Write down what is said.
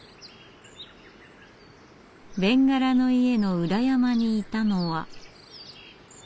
べんがらの家の裏山にいたのは。